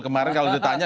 kemarin kalau ditanya